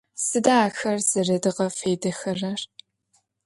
Сыда ахэр зэрэдгъэфедэхэрэр?